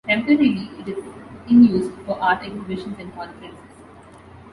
Temporarily it is in use for art exhibitions and conferences.